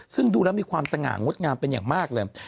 ซึ่งดูแล้วมีความสง่างดงามเป็นอย่างมากเลย